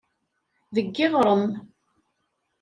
Deg yiɣrem.